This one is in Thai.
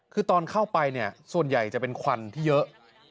คือตอนเข้าไปเนี่ยส่วนใหญ่จะเป็นควันที่เยอะ